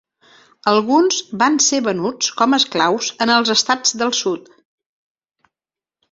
Alguns van ser venuts com esclaus en els estats del sud.